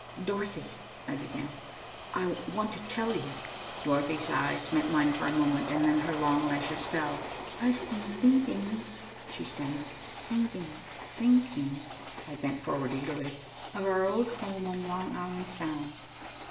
"Dorothy," I began, "I want to tell you." Dorothy's eyes met mine for a moment, and then her long lashes fell. "I've been thinking," she stammered "thinking thinking" I bent forward eagerly "of our old home on Long Island Sound."